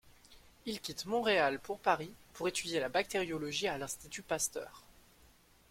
Il quitte Montréal pour Paris pour étudier la bactériologie à l'Institut Pasteur.